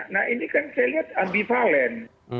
nah ini kan saya lihat ambivalen